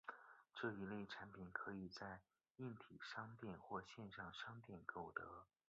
这一类产品可以在硬体商店或线上商店购得。